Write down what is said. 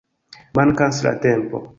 Mankas la tempo.